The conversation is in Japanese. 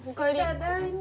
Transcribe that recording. ただいま。